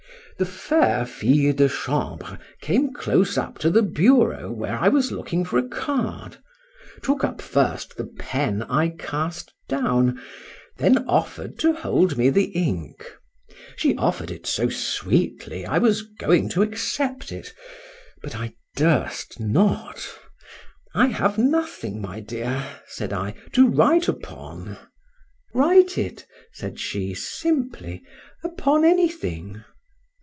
The fair fille de chambre came close up to the bureau where I was looking for a card—took up first the pen I cast down, then offer'd to hold me the ink; she offer'd it so sweetly, I was going to accept it;—but I durst not;—I have nothing, my dear, said I, to write upon.—Write it, said she, simply, upon anything.